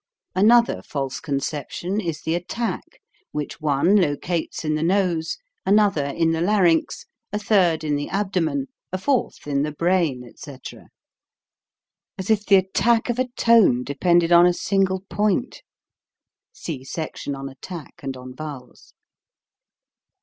Another false conception is the attack, which one locates in the nose, another in the larynx, a third in the abdomen, a fourth in the brain, etc. As if the attack of a tone depended on a single point ! (See section on Attack and on Vowels.)